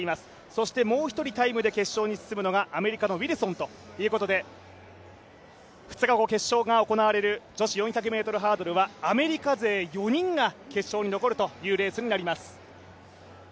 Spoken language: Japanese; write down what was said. そして、もう一人タイムで決勝に進むのがアメリカのウィルソンということで２日後、決勝が行われる女子４００ｍハードルはアメリカ勢４人が決勝に残るというレースになります。